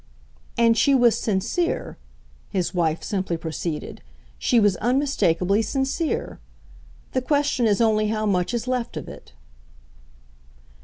"And she was sincere," his wife simply proceeded "she was unmistakably sincere. The question is only how much is left of it."